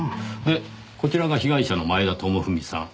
でこちらが被害者の前田智文さん。